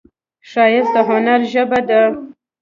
ښایست د هنر ژبه ده